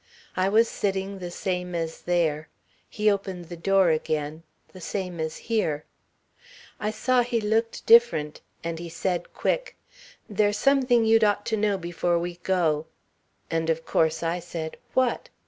I was sitting the same as there. He opened the door again the same as here. I saw he looked different and he said quick: 'There's something you'd ought to know before we go.' And of course I said, 'What?'